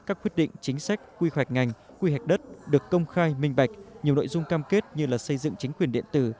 các quyết định chính sách quy hoạch ngành quy hoạch đất được công khai minh bạch nhiều nội dung cam kết như xây dựng chính quyền điện tử